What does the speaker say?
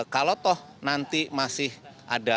kalau toh nanti masih ada